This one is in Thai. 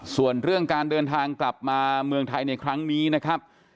ส่วนเรื่องการเดินทางกลับมาเมืองไทยในครั้งนี้นะครับ